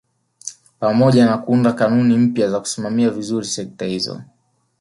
Pamoja na kuunda kanuni mpya za kusimamia vizuri sekta hizo